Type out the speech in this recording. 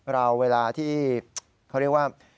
เวลาที่เขาเรียกว่า